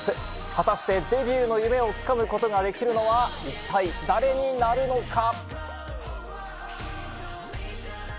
果たして、デビューの夢を掴むことができるのは一体誰になるのか？